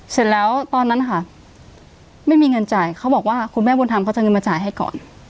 เสร็จแล้วตอนนั้นค่ะไม่มีเงินจ่ายเขาบอกว่าคุณแม่บุญธรรมเขาจะเอาเงินมาจ่ายให้ก่อน